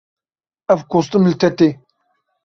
Ev kostûm li te tê.